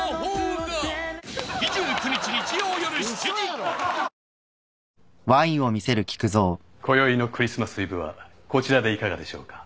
はいこよいのクリスマスイブはこちらでいかがでしょうか？